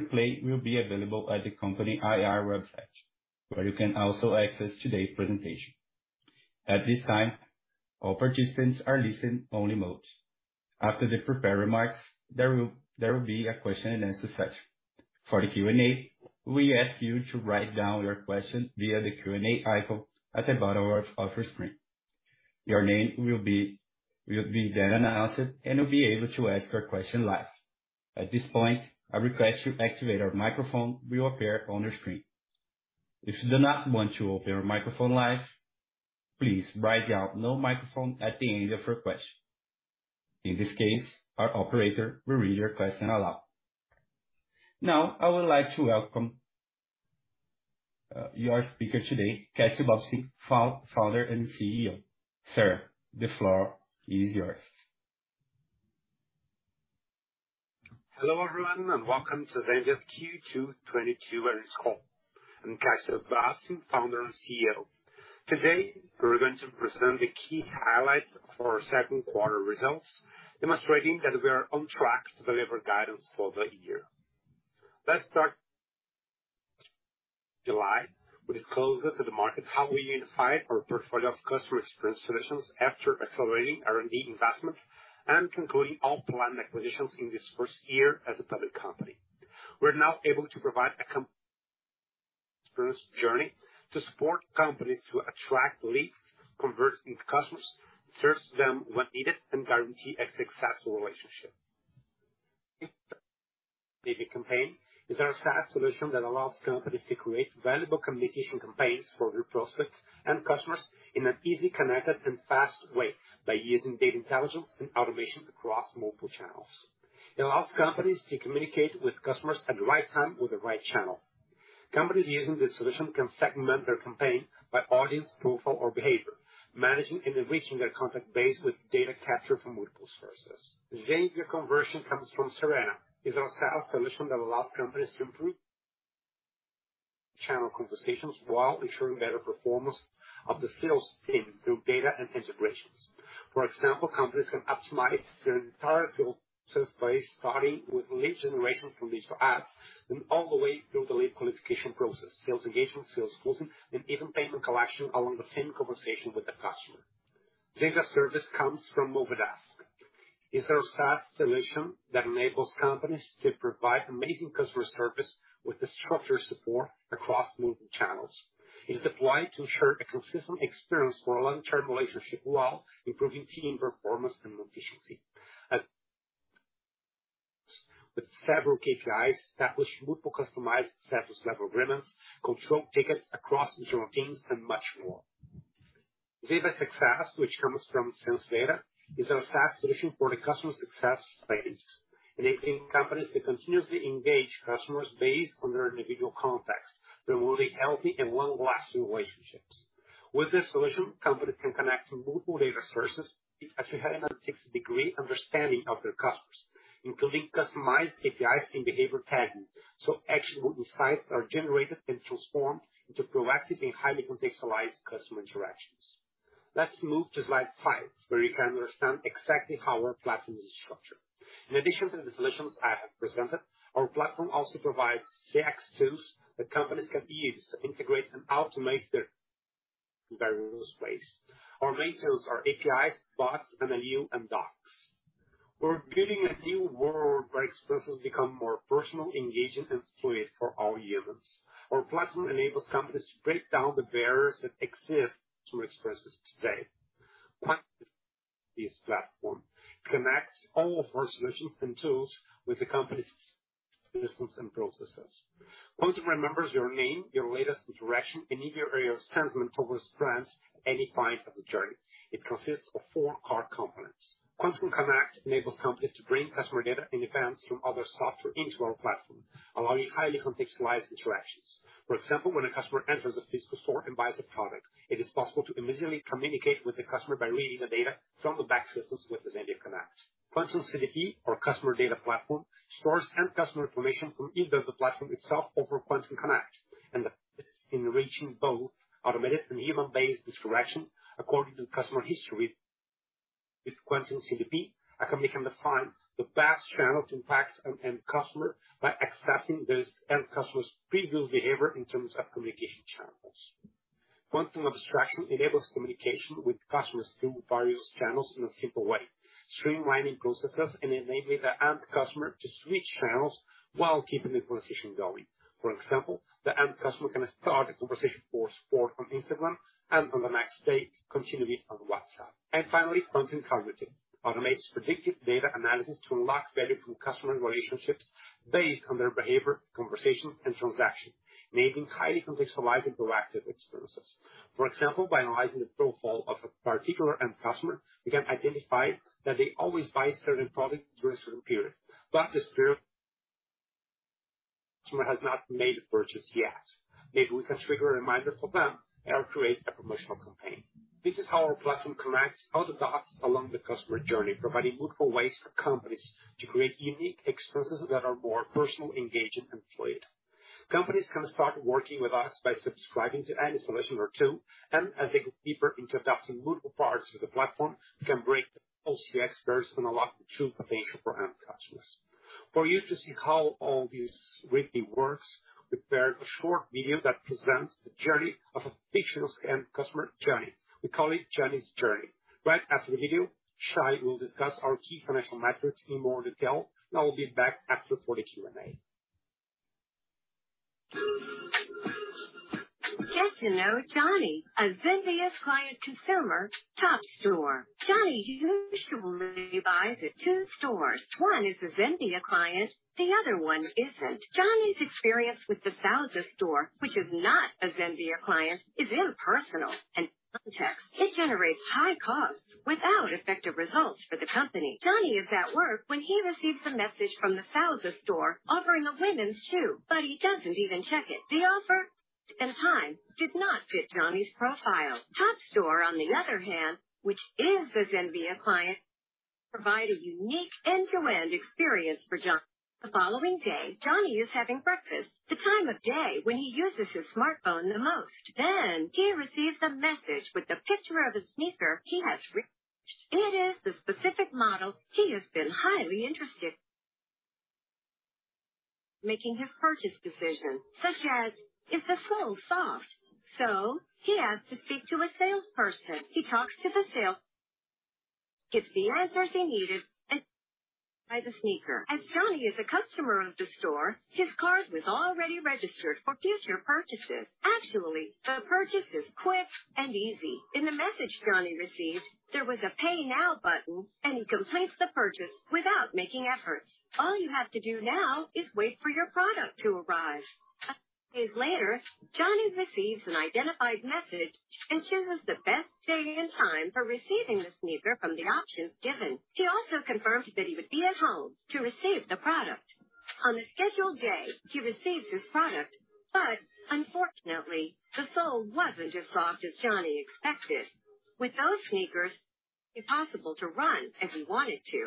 The replay will be available at the company IR website, where you can also access today's presentation. At this time, all participants are in listen-only mode. After the prepared remarks, there will be a question and answer session. For the Q&A, we ask you to write down your question via the Q&A icon at the bottom of your screen. Your name will then be announced, and you'll be able to ask your question live. At this point, a request to activate your microphone will appear on your screen. If you do not want to open your microphone live, please write down "No microphone" at the end of your question. In this case, our operator will read your question aloud. Now, I would like to welcome your speaker today, Cassio Bobsin, Founder and CEO. Sir, the floor is yours. Hello, everyone, and welcome to Zenvia Q2 2022 earnings call. I'm Cassio Bobsin, founder and CEO. Today, we're going to present the key highlights for our second quarter results, demonstrating that we are on track to deliver guidance for the year. Let's start. In July, we disclosed to the market how we unified our portfolio of customer experience solutions after accelerating R&D investments and concluding all planned acquisitions in this first year as a public company. We're now able to provide a complete customer's journey to support companies to attract leads, convert into customers, and serve them when needed, and guarantee a successful relationship. Zenvia Campaign is our SaaS solution that allows companies to create valuable communication campaigns for their prospects and customers in an easy, connected and fast way by using data intelligence and automation across multiple channels. It allows companies to communicate with customers at the right time with the right channel. Companies using this solution can segment their campaign by audience, profile, or behavior, managing and enriching their contact base with data captured from multiple sources. Zenvia Conversion comes from Sirena. It's our SaaS solution that allows companies to improve channel conversations while ensuring better performance of the sales team through data and integrations. For example, companies can optimize their entire sales space, starting with lead generation from digital ads and all the way through the lead qualification process, sales engagement, sales closing, and even payment collection along the same conversation with the customer. Zenvia Service comes from Movidesk. It's our SaaS solution that enables companies to provide amazing customer service with structured support across multiple channels. It is applied to ensure a consistent experience for a long-term relationship while improving team performance and efficiency. It with several KPIs, establish multiple customized service level agreements, control tickets across internal teams, and much more. Zenvia Success, which comes from SenseData, is our SaaS solution for the customer success teams, enabling companies to continuously engage customers based on their individual context, building healthy and long-lasting relationships. With this solution, companies can connect multiple data sources to achieve a 160-degree understanding of their customers, including customized APIs and behavior tagging, so actionable insights are generated and transformed into proactive and highly contextualized customer interactions. Let's move to slide 5, where you can understand exactly how our platform is structured. In addition to the solutions I have presented, our platform also provides CX tools that companies can use to integrate and automate their various ways. Our main tools are APIs, bots, NLU and Docs. We're building a new world where experiences become more personal, engaging, and fluid for all humans. Our platform enables companies to break down the barriers that exist to experiences today. This platform connects all of our solutions and tools with the company's systems and processes. Zenvia Customer Cloud remembers your name, your latest interaction, and even your sentiment towards brands at any point of the journey. It consists of four core components. Zenvia Connect enables companies to bring customer data and events from other software into our platform, allowing highly contextualized interactions. For example, when a customer enters a physical store and buys a product, it is possible to immediately communicate with the customer by reading the data from the back-end systems with the Zenvia Connect. Zenvia CDP or Customer Data Platform stores end customer information from either the platform itself over Zenvia Connect and enriches both automated and human-based interactions according to the customer history. With Zenvia CDP, a company can define the best channel to impact an end customer by accessing this end customer's previous behavior in terms of communication channels. Zenvia Abstraction enables communication with customers through various channels in a simple way, streamlining processes and enabling the end customer to switch channels while keeping the conversation going. For example, the end customer can start a conversation for support on Instagram and on the next day continue it on WhatsApp. Finally, Zenvia Cognitive automates predictive data analysis to unlock value from customer relationships based on their behavior, conversations, and transactions, enabling highly contextualized and proactive experiences. For example, by analyzing the profile of a particular end customer, we can identify that they always buy a certain product during a certain period, but this period customer has not made a purchase yet. Maybe we can trigger a reminder for them or create a promotional campaign. This is how our platform connects all the dots along the customer journey, providing multiple ways for companies to create unique experiences that are more personal, engaging, and fluid. Companies can start working with us by subscribing to any solution or two, and as they go deeper into adopting multiple parts of the platform, can bring all CX first and unlock the true potential for end customers. For you to see how all this really works, we prepared a short video that presents the journey of a fictional end customer journey. We call it Johnny's Journey. Right after the video, Shay will discuss our key financial metrics in more detail, and I will be back after for the Q&A. Get to know Johnny, a Zenvia client consumer, Top Store. Johnny usually buys at two stores. One is a Zenvia client, the other one isn't. Johnny's experience with the Falza store, which is not a Zenvia client, is impersonal and lacks context. It generates high costs without effective results for the company. Johnny is at work when he receives a message from the Falza store offering a women's shoe, but he doesn't even check it. The offer and time did not fit Johnny's profile. Top Store, on the other hand, which is a Zenvia client, provide a unique end-to-end experience for Johnny. The following day, Johnny is having breakfast, the time of day when he uses his smartphone the most. He receives a message with the picture of a sneaker he has. It is the specific model he has been highly interested. Making his purchase decision, such as, is the sole soft? He has to speak to a salesperson. He gets the answers he needed and buys a sneaker. As Johnny is a customer of the store, his card was already registered for future purchases. Actually, the purchase is quick and easy. In the message Johnny received, there was a Pay Now button, and he completes the purchase without making efforts. All you have to do now is wait for your product to arrive. A few days later, Johnny receives an identified message and chooses the best day and time for receiving the sneaker from the options given. He also confirmed that he would be at home to receive the product. On the scheduled day, he receives his product, but unfortunately, the sole wasn't as soft as Johnny expected. With those sneakers, impossible to run as he wanted to.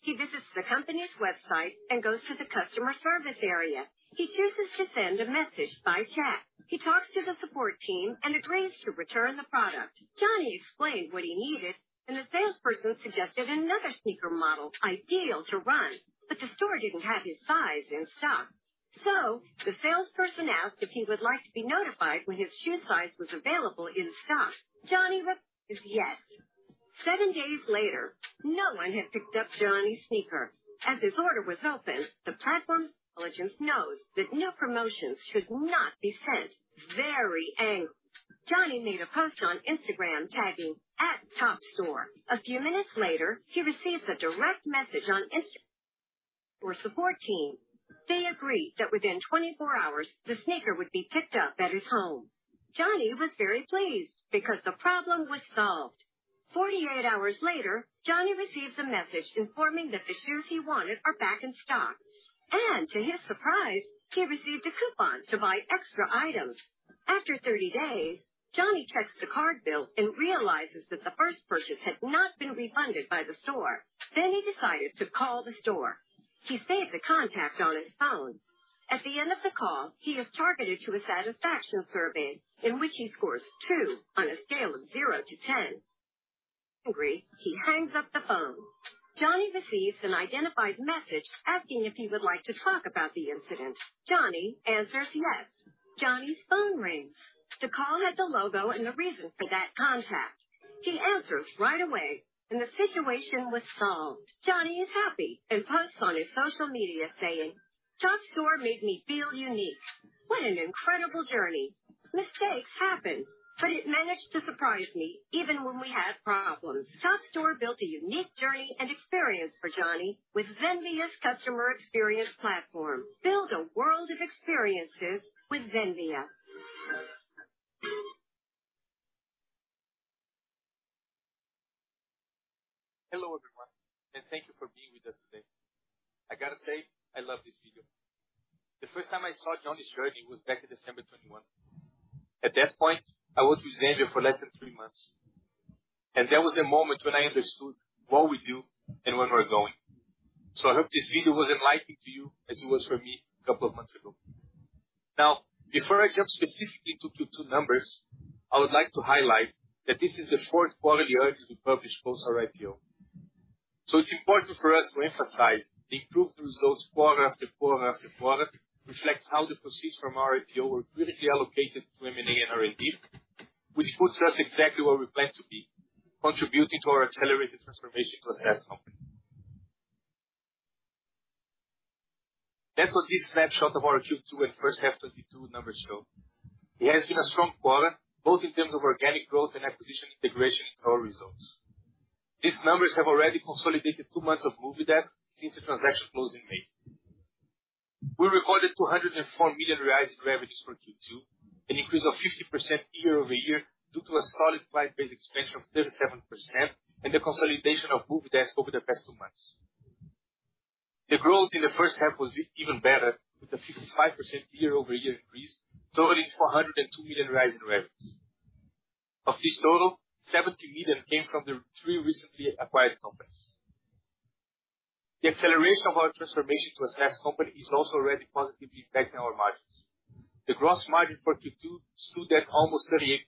He visits the company's website and goes to the customer service area. He chooses to send a message by chat. He talks to the support team and agrees to return the product. Johnny explained what he needed and the salesperson suggested another sneaker model ideal to run. The store didn't have his size in stock. The salesperson asked if he would like to be notified when his shoe size was available in stock. Johnny replies, "Yes." Seven days later, no one had picked up Johnny's sneaker. As his order was open, the platform's intelligence knows that new promotions should not be sent. Very angry, Johnny made a post on Instagram tagging at Top Store. A few minutes later, he receives a direct message on Instagram from support team. They agreed that within 24 hours, the sneaker would be picked up at his home. Johnny was very pleased because the problem was solved. 48 hours later, Johnny receives a message informing that the shoes he wanted are back in stock, and to his surprise, he received a coupon to buy extra items. After 30 days, Johnny checks the card bill and realizes that the first purchase had not been refunded by the store. He decided to call the store. He saved the contact on his phone. At the end of the call, he is targeted to a satisfaction survey in which he scores 2 on a scale of 0-10. Angry, he hangs up the phone. Johnny receives an identified message asking if he would like to talk about the incident. Johnny answers, "Yes." Johnny's phone rings. The call had the logo and the reason for that contact. He answers right away and the situation was solved. Johnny is happy and posts on his social media saying, "Top Store made me feel unique. What an incredible journey. Mistakes happen, but it managed to surprise me even when we had problems." Top Store built a unique journey and experience for Johnny with Zenvia's customer experience platform. Build a world of experiences with Zenvia. Hello, everyone, and thank you for being with us today. I gotta say, I love this video. The first time I saw Johnny's Journey was back in December 2021. At that point, I worked with Zenvia for less than three months, and that was the moment when I understood what we do and where we're going. I hope this video was enlightening to you as it was for me a couple of months ago. Now, before I jump specifically to Q2 numbers, I would like to highlight that this is the fourth quality earnings we publish post our IPO. It's important for us to emphasize the improved results quarter after quarter after quarter reflects how the proceeds from our IPO were critically allocated to M&A and R&D, which puts us exactly where we plan to be, contributing to our accelerated transformation to a SaaS company. That's what this snapshot of our Q2 and first half 2022 numbers show. It has been a strong quarter, both in terms of organic growth and acquisition integration into our results. These numbers have already consolidated two months of Movidesk since the transaction closed in May. We recorded 204 million reais in revenues for Q2, an increase of 50% year over year due to a solid wide base expansion of 37% and the consolidation of Movidesk over the past two months. The growth in the first half was even better with a 55% year over year increase, totaling 402 million in revenues. Of this total, 70 million came from the three recently acquired companies. The acceleration of our transformation to a SaaS company is also already positively impacting our margins. The gross margin for Q2 stood at almost 38%,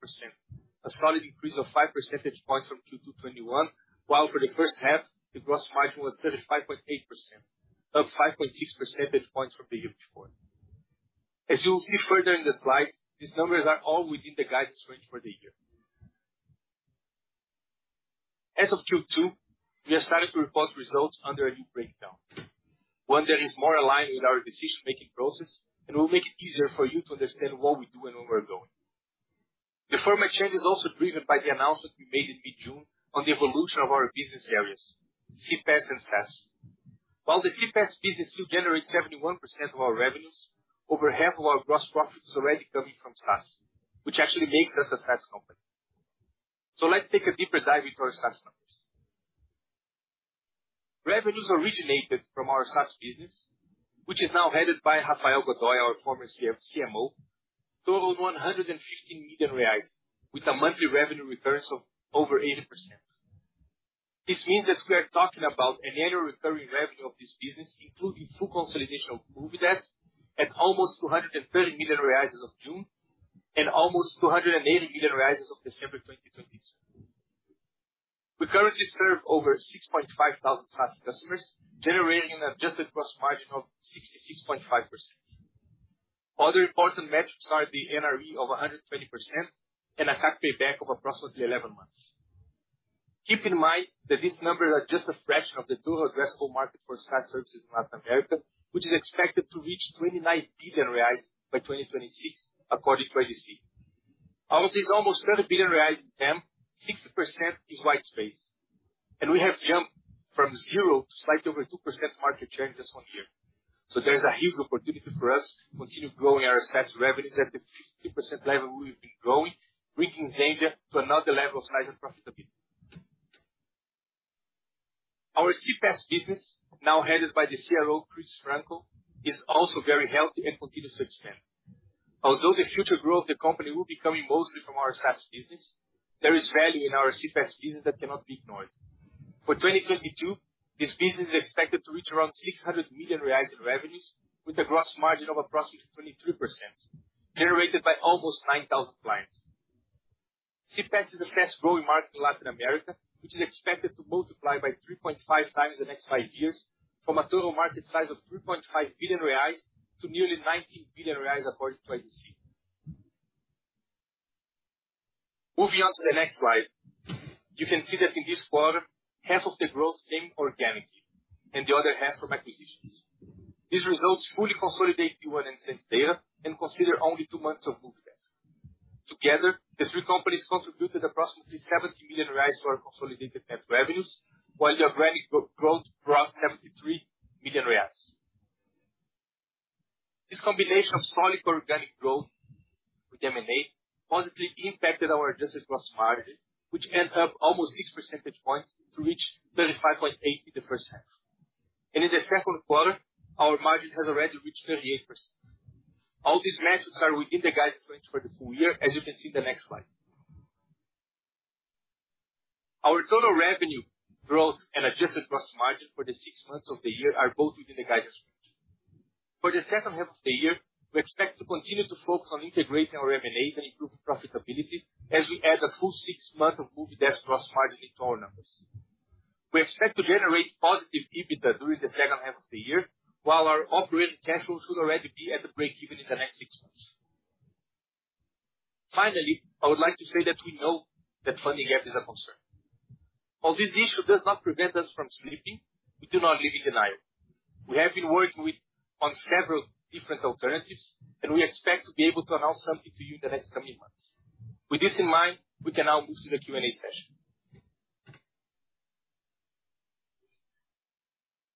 a solid increase of 5 percentage points from Q2 2021. While for the first half, the gross margin was 35.8%, up 5.6 percentage points from the year before. As you'll see further in the slides, these numbers are all within the guidance range for the year. As of Q2, we have started to report results under a new breakdown, one that is more aligned with our decision-making process and will make it easier for you to understand what we do and where we're going. The format change is also driven by the announcement we made in mid-June on the evolution of our business areas, CPaaS and SaaS. While the CPaaS business will generate 71% of our revenues, over half of our gross profit is already coming from SaaS, which actually makes us a SaaS company. Let's take a deeper dive into our SaaS numbers. Revenues originated from our SaaS business, which is now headed by Rafael Godoy, our former CFO-CMO, totaled 115 million reais, with a monthly revenue recurrence of over 80%. This means that we are talking about an annual recurring revenue of this business, including full consolidation of Movidesk, at almost 230 million as of June and almost 280 million as of December 2022. We currently serve over 6,500 SaaS customers, generating an adjusted gross margin of 66.5%. Other important metrics are the NRR of 120% and a payback of approximately 11 months. Keep in mind that these numbers are just a fraction of the total addressable market for SaaS services in Latin America, which is expected to reach 29 billion reais by 2026, according to IDC. Out of this almost 30 billion reais TAM, 60% is white space, and we have jumped from zero to slightly over 2% market share in just 1 year. There is a huge opportunity for us to continue growing our SaaS revenues at the 50% level we've been growing, bringing Zenvia to another level of size and profitability. Our CPaaS business, now headed by the CRO, Cristiano Franco, is also very healthy and continues to expand. Although the future growth of the company will be coming mostly from our SaaS business, there is value in our CPaaS business that cannot be ignored. For 2022, this business is expected to reach around 600 million reais in revenues with a gross margin of approximately 23% generated by almost 9,000 clients. CPaaS is the fastest-growing market in Latin America, which is expected to multiply by 3.5 times in the next five years from a total market size of 3.5 billion reais to nearly 19 billion reais, according to IDC. Moving on to the next slide. You can see that in this quarter, half of the growth came organically and the other half from acquisitions. These results fully consolidate the D1 and SenseData and consider only 2 months of Movidesk. Together, the three companies contributed approximately 70 million reais to our consolidated net revenues, while the organic growth brought 73 million reais. This combination of solid organic growth with M&A positively impacted our adjusted gross margin, which went up almost six percentage points to reach 35.8% in the first half. In the second quarter, our margin has already reached 38%. All these metrics are within the guidance range for the full year, as you can see in the next slide. Our total revenue growth and adjusted gross margin for the six months of the year are both within the guidance range. For the second half of the year, we expect to continue to focus on integrating our M&As and improving profitability as we add a full six months of Movidesk gross margin into our numbers. We expect to generate positive EBITDA during the second half of the year, while our operating cash flow should already be at the break-even in the next six months. Finally, I would like to say that we know that funding gap is a concern. While this issue does not prevent us from sleeping, we do not live in denial. We have been working on several different alternatives, and we expect to be able to announce something to you in the next coming months. With this in mind, we can now move to the Q&A session.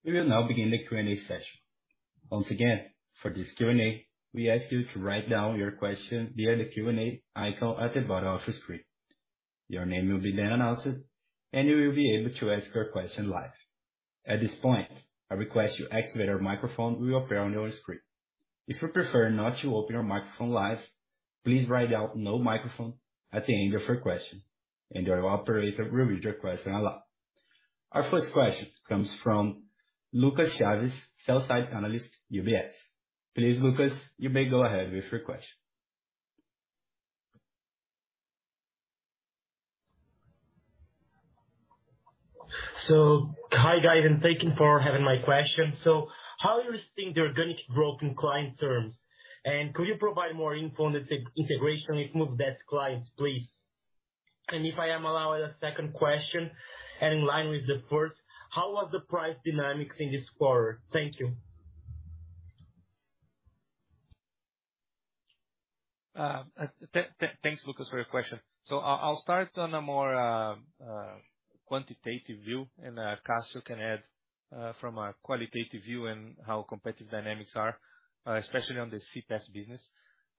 We will now begin the Q&A session. Once again, for this Q&A, we ask you to write down your question via the Q&A icon at the bottom of your screen. Your name will be then announced, and you will be able to ask your question live. At this point, a request to activate your microphone will appear on your screen. If you prefer not to open your microphone live, please write down "no microphone" at the end of your question, and our operator will read your question aloud. Our first question comes from Lucas Chaves, Sell-side Analyst, UBS. Please, Lucas, you may go ahead with your question. Hi, guys, and thank you for having my question. How you think the organic growth in client terms? Could you provide more info on the integration with Movidesk clients, please? If I am allowed a second question and in line with the first, how was the price dynamics in this quarter? Thank you. Thanks, Lucas, for your question. I'll start on a more quantitative view, and Cassio can add from a qualitative view and how competitive dynamics are, especially on the CPaaS business.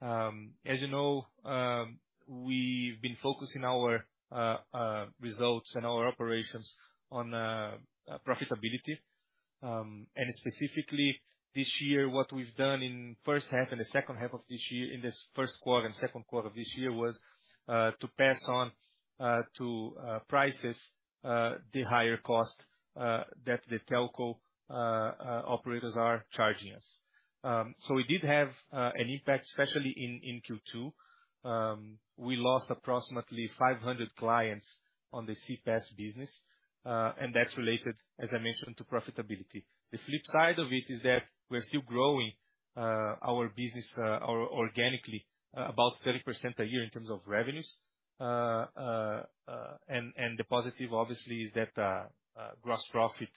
As you know, we've been focusing our results and our operations on profitability. Specifically this year, what we've done in first half and the second half of this year, in this first quarter and second quarter of this year was to pass on to prices the higher cost that the telco operators are charging us. It did have an impact, especially in Q2. We lost approximately 500 clients on the CPaaS business, and that's related, as I mentioned, to profitability. The flip side of it is that we're still growing our business organically about 30% a year in terms of revenues. The positive obviously is that gross profit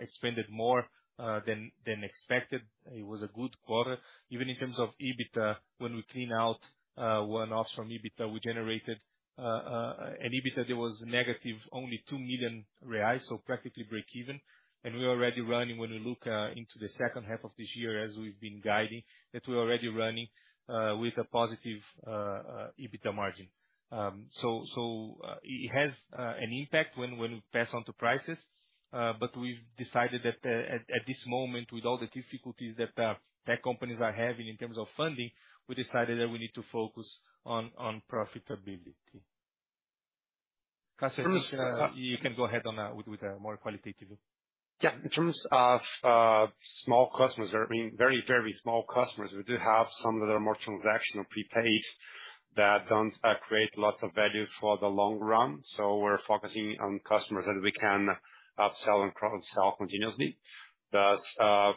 expanded more than expected. It was a good quarter. Even in terms of EBITDA, when we clean out one-offs from EBITDA, we generated an EBITDA that was negative only 2 million reais, so practically break even. We're already running when we look into the second half of this year, as we've been guiding, that we're already running with a positive EBITDA margin. It has an impact when we pass on to prices, but we've decided that at this moment, with all the difficulties that tech companies are having in terms of funding, we decided that we need to focus on profitability. Cassio, I think you can go ahead on that with more qualitative. Yeah. In terms of small customers, I mean, very, very small customers, we do have some that are more transactional prepaid that don't create lots of value for the long run. We're focusing on customers that we can upsell and cross-sell continuously. The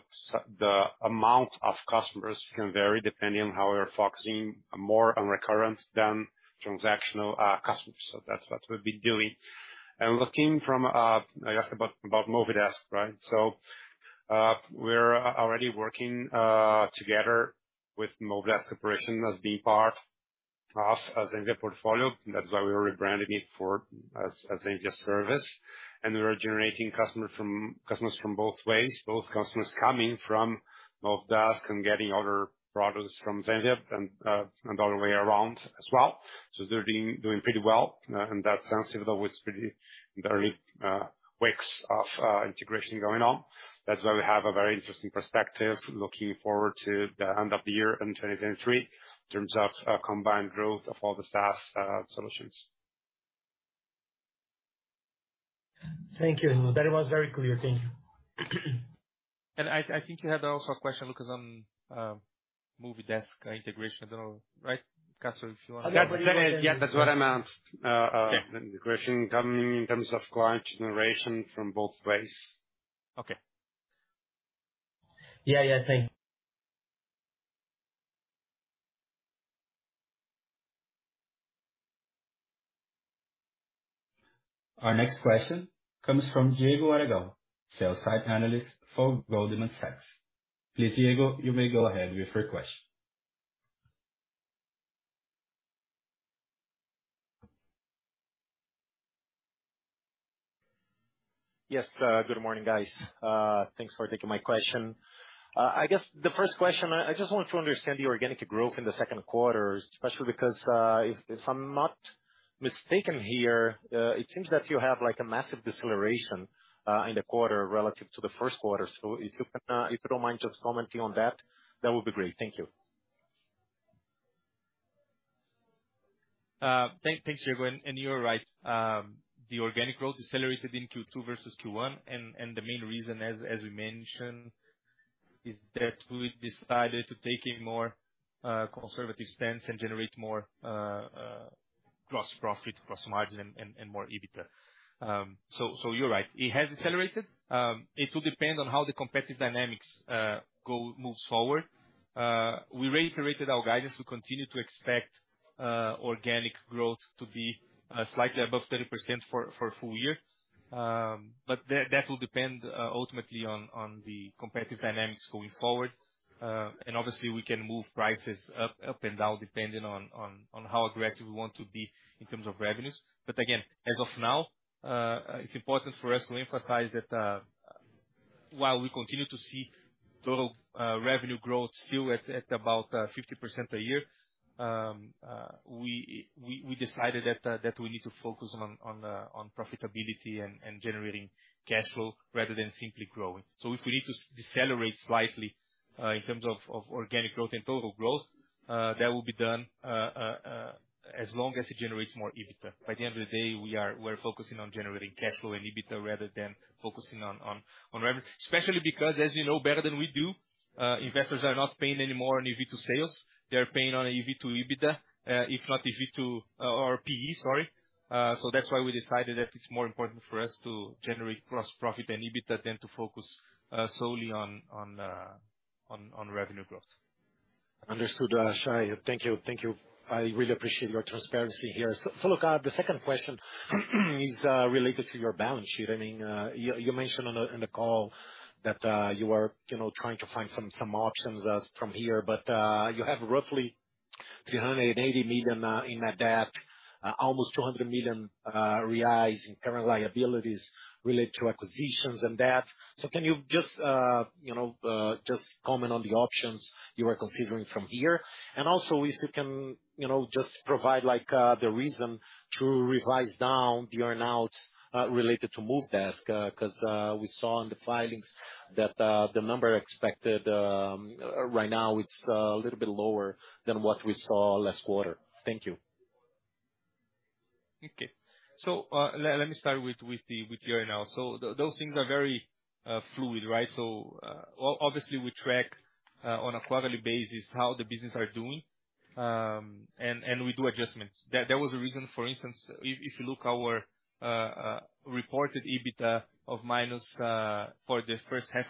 amount of customers can vary depending on how we're focusing more on recurrent than transactional customers. That's what we've been doing. You asked about Movidesk, right? We're already working together with Movidesk Corporation as being part of Zenvia portfolio. That's why we're rebranding it as Zenvia Service. We're generating customers from both ways, both customers coming from Movidesk and getting other products from Zenvia and the other way around as well. They're doing pretty well in that sense, even though it's pretty early, weeks of integration going on. That's why we have a very interesting perspective looking forward to the end of the year in 2023 in terms of combined growth of all the SaaS solutions. Thank you. That was very clear. Thank you. I think you had also a question, Lucas, on Movidesk integration. I don't know. Right, Cassio, if you wanna- Yeah, that's what I meant. Integration coming in terms of client generation from both ways. Okay. Yeah, yeah. Thank you. Our next question comes from Diego Aragão, Sell-side Analyst for Goldman Sachs. Please, Diego, you may go ahead with your question. Yes. Good morning, guys. Thanks for taking my question. I guess the first question, I just want to understand the organic growth in the second quarter, especially because, if I'm not mistaken here, it seems that you have like a massive deceleration, in the quarter relative to the first quarter. If you can, if you don't mind just commenting on that would be great. Thank you. Thanks, Diego. You're right. The organic growth decelerated in Q2 versus Q1. The main reason as we mentioned is that we decided to take a more conservative stance and generate more gross profit, gross margin and more EBITDA. You're right. It has decelerated. It will depend on how the competitive dynamics move forward. We reiterated our guidance to continue to expect organic growth to be slightly above 30% for full year. That will depend ultimately on the competitive dynamics going forward. Obviously, we can move prices up and down depending on how aggressive we want to be in terms of revenues. Again, as of now, it's important for us to emphasize that while we continue to see total revenue growth still at about 50% a year, we decided that we need to focus on profitability and generating cash flow rather than simply growing. If we need to decelerate slightly in terms of organic growth and total growth, that will be done as long as it generates more EBITDA. By the end of the day, we're focusing on generating cash flow and EBITDA rather than focusing on revenue. Especially because, as you know better than we do, investors are not paying any more on EV to sales. They're paying on an EV to EBITDA, if not EV to PE, sorry. That's why we decided that it's more important for us to generate gross profit and EBITDA than to focus solely on revenue growth. Understood, Shay. Thank you. I really appreciate your transparency here. So look, the second question is related to your balance sheet. I mean, you mentioned in the call that you are you know trying to find some options as from here, but you have roughly 380 million in debt, almost 200 million reais in current liabilities related to acquisitions and debt. So can you just you know just comment on the options you are considering from here? And also if you can you know just provide like the reason to revise down the earn-out. Related to Movidesk, 'cause we saw in the filings that the number expected right now it's a little bit lower than what we saw last quarter. Thank you. Okay. Let me start with you right now. Those things are very fluid, right? Obviously, we track on a quarterly basis how the businesses are doing, and we do adjustments. There was a reason, for instance, if you look at our reported EBITDA of -BRL 22 million for the first half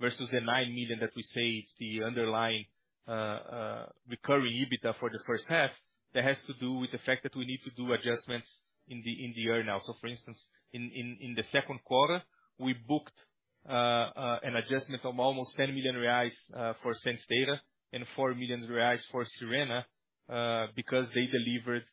versus the 9 million that we say is the underlying recurring EBITDA for the first half. That has to do with the fact that we need to do adjustments in the earn-out. For instance, in the second quarter, we booked an adjustment of almost 10 million reais for SenseData and 4 million reais for Sirena, because they delivered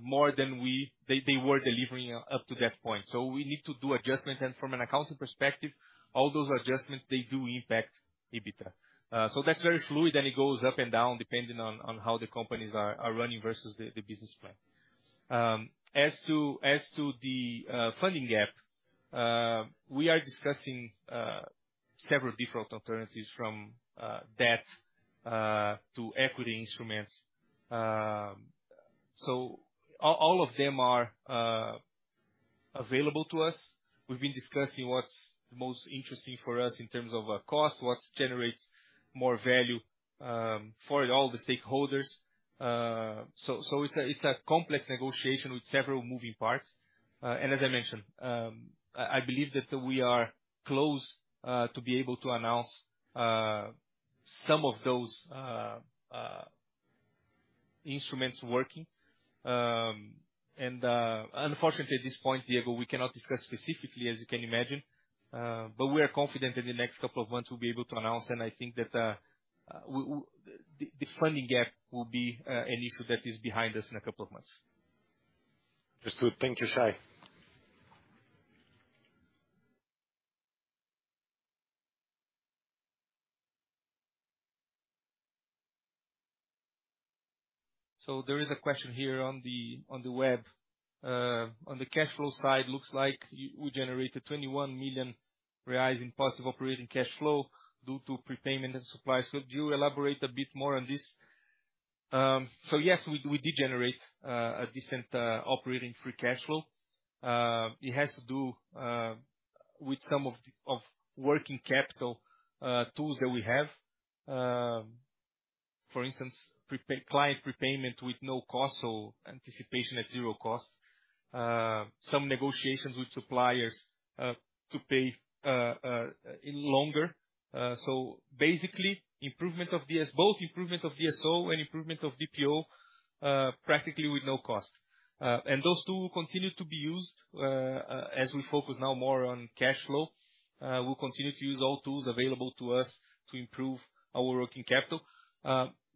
more than we. They were delivering up to that point. We need to do adjustment. From an accounting perspective, all those adjustments, they do impact EBITDA. That's very fluid, and it goes up and down depending on how the companies are running versus the business plan. As to the funding gap, we are discussing several different alternatives from debt to equity instruments. All of them are available to us. We've been discussing what's most interesting for us in terms of cost, what generates more value for all the stakeholders. It's a complex negotiation with several moving parts. As I mentioned, I believe that we are close to be able to announce some of those instruments working. Unfortunately at this point, Diego, we cannot discuss specifically as you can imagine, but we are confident in the next couple of months we'll be able to announce, and I think that the funding gap will be an issue that is behind us in a couple of months. Understood. Thank you, Shay. There is a question here on the cash flow side. Looks like you generated 21 million reais in positive operating cash flow due to prepayment and suppliers. Could you elaborate a bit more on this? Yes, we did generate a decent operating free cash flow. It has to do with some of the working capital tools that we have. For instance, prepay-client prepayment with no cost, so anticipation at zero cost. Some negotiations with suppliers to pay in longer. Basically, both improvement of DSO and improvement of DPO practically with no cost. Those two will continue to be used as we focus now more on cash flow. We'll continue to use all tools available to us to improve our working capital.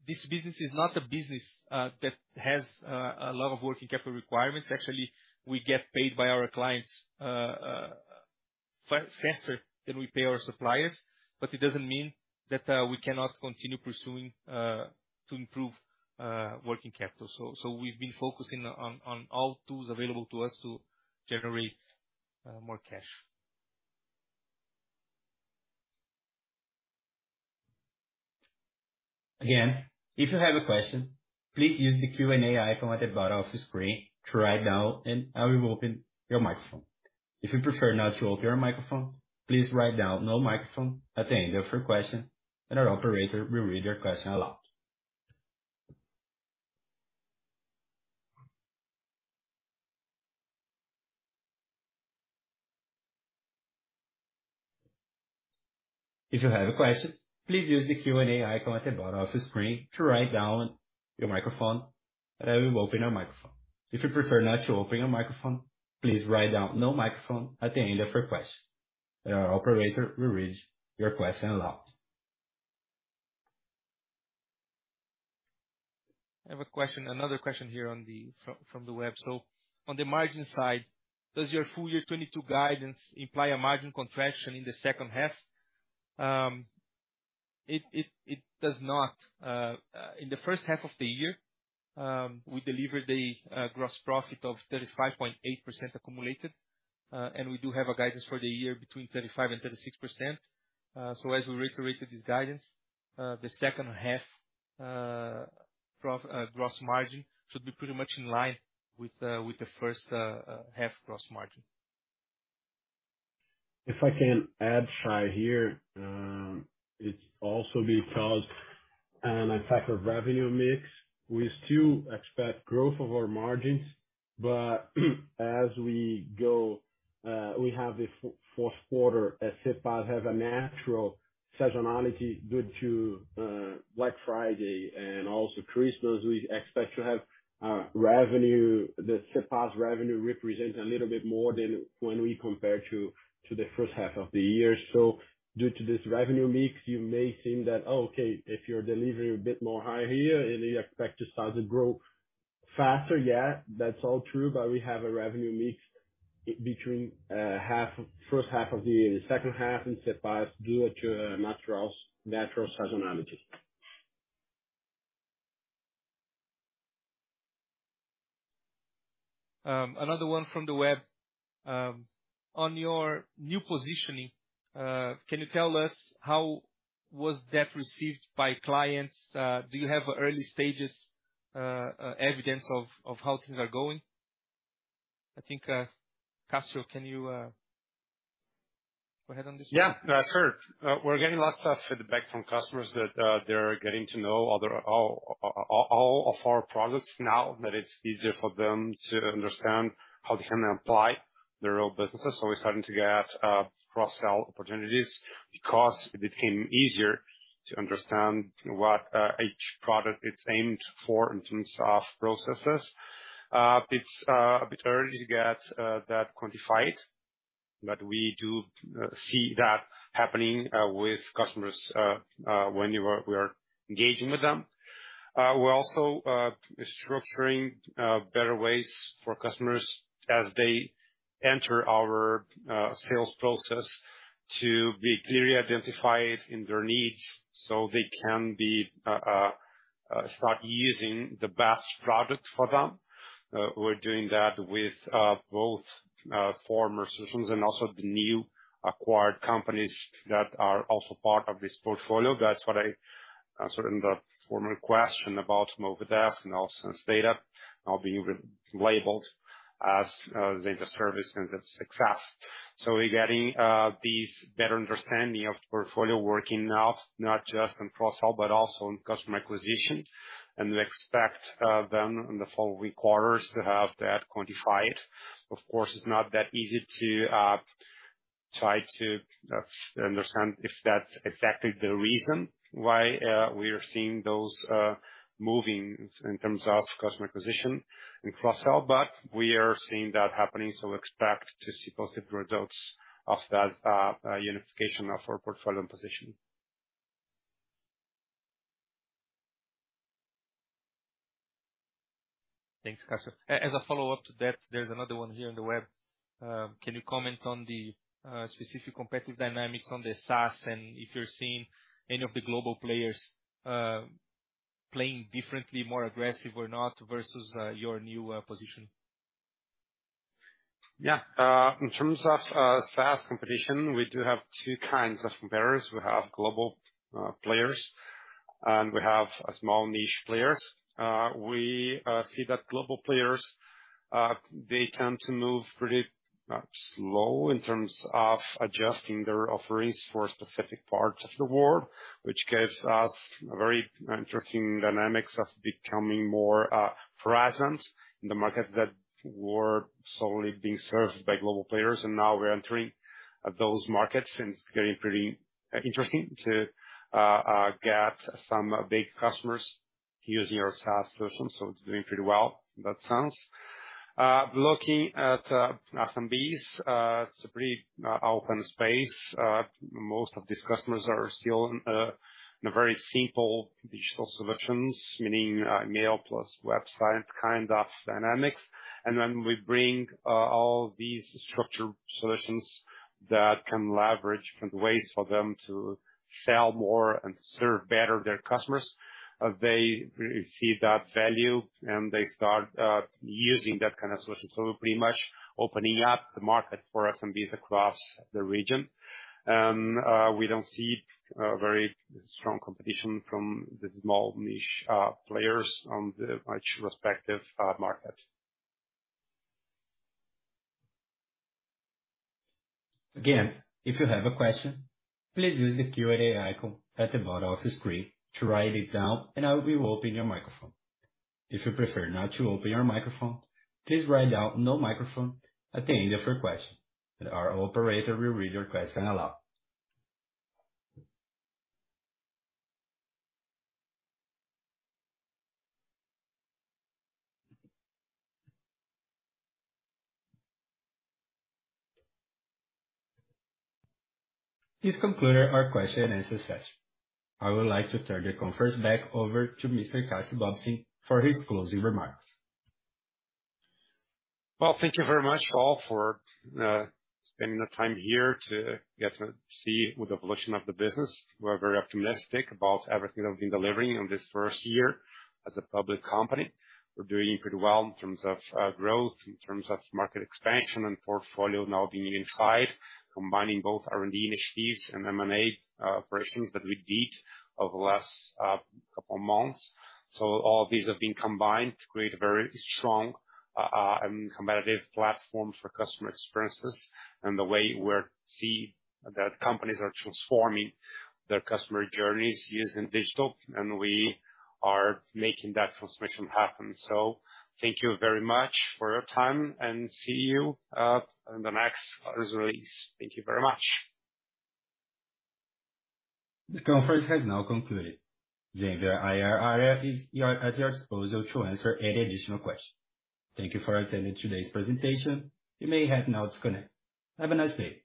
This business is not a business that has a lot of working capital requirements. Actually, we get paid by our clients faster than we pay our suppliers. It doesn't mean that we cannot continue pursuing to improve working capital. We've been focusing on all tools available to us to generate more cash. Again, if you have a question, please use the Q&A icon at the bottom of your screen to write down, and I will open your microphone. If you prefer not to open your microphone, please write down "no microphone" at the end of your question, and our operator will read your question aloud. If you have a question, please use the Q&A icon at the bottom of your screen to write down, and I will open your microphone. If you prefer not to open your microphone, please write down "no microphone" at the end of your question, and our operator will read your question aloud. I have a question, another question here on the from the web. On the margin side, does your full year 2022 guidance imply a margin contraction in the second half? It does not. In the first half of the year, we delivered a gross profit of 35.8% accumulated, and we do have a guidance for the year between 35% and 36%. As we reiterated this guidance, the second half gross margin should be pretty much in line with the first half gross margin. If I can add, Shay, here, it's also because an impact of revenue mix. We still expect growth of our margins, but as we go, we have the fourth quarter at CPaaS has a natural seasonality due to Black Friday and also Christmas. We expect to have revenue, the CPaaS's revenue represent a little bit more than when we compare to the first half of the year. Due to this revenue mix, you may think that, "Oh, okay, if you're delivering a bit more higher here, and you expect your sales to grow faster," yeah, that's all true, but we have a revenue mix between first half of the year and the second half in CPaaS due to natural seasonality. Another one from the web. On your new positioning, can you tell us how was that received by clients? Do you have early stages, evidence of how things are going? I think, Cassio, can you go ahead on this one? Yeah, sure. We're getting lots of feedback from customers that they're getting to know all of our products now that it's easier for them to understand how they can apply to their own businesses. We're starting to get cross-sell opportunities because it became easier to understand what each product is aimed for in terms of processes. It's a bit early to get that quantified, but we do see that happening with customers whenever we are engaging with them. We're also structuring better ways for customers as they enter our sales process to be clearly identified in their needs so they can start using the best product for them. We're doing that with both former solutions and also the new acquired companies that are also part of this portfolio. That's what I answered in the former question about Movidesk and also SenseData now being labeled as Zenvia Service and Zenvia Success. We're getting this better understanding of the portfolio working now, not just in cross-sell, but also in customer acquisition. We expect them in the following quarters to have that quantified. Of course, it's not that easy to try to understand if that's exactly the reason why we are seeing those movements in terms of customer acquisition and cross-sell, but we are seeing that happening, so expect to see positive results of that unification of our portfolio position. Thanks, Cassio. As a follow-up to that, there's another one here on the web. Can you comment on the specific competitive dynamics on the SaaS and if you're seeing any of the global players playing differently, more aggressive or not versus your new position? Yeah. In terms of SaaS competition, we do have two kinds of competitors. We have global players and we have small niche players. We see that global players they tend to move pretty slow in terms of adjusting their offerings for specific parts of the world, which gives us a very interesting dynamics of becoming more present in the markets that were solely being served by global players. Now we're entering those markets, and it's getting pretty interesting to get some big customers using our SaaS solution, so it's doing pretty well in that sense. Looking at SMBs, it's a pretty open space. Most of these customers are still in a very simple digital solutions, meaning email plus website kind of dynamics. When we bring all these structured solutions that can leverage different ways for them to sell more and serve better their customers, they really see that value and they start using that kind of solution. We're pretty much opening up the market for SMBs across the region. We don't see very strong competition from the small niche players in their respective markets. Again, if you have a question, please use the Q&A icon at the bottom of the screen to write it down, and I will be opening your microphone. If you prefer not to open your microphone, please write down "no microphone" at the end of your question and our operator will read your question aloud. This concludes our question and answer session. I would like to turn the conference back over to Mr. Cassio Bobsin for his closing remarks. Well, thank you very much all for spending the time here to get to see the evolution of the business. We're very optimistic about everything that we've been delivering in this first year as a public company. We're doing pretty well in terms of growth, in terms of market expansion and portfolio now being unified, combining both R&D initiatives and M&A operations that we did over the last couple of months. All of these have been combined to create a very strong and competitive platform for customer experiences and the way we're see that companies are transforming their customer journeys using digital, and we are making that transformation happen. Thank you very much for your time and see you in the next earnings release. Thank you very much. This conference has now concluded. Zenvia IR area is at your disposal to answer any additional questions. Thank you for attending today's presentation. You may hang up now to disconnect. Have a nice day.